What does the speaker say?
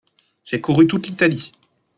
J’ai couru toute l’Italie.